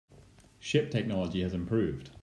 Ship technology has improved.